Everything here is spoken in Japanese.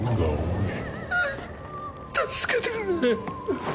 うぅ助けてくれ。